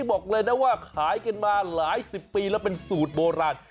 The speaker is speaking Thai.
บอกเลยนะว่าขายกันมาหลายสิบปีแล้วเป็นสูตรโบราณ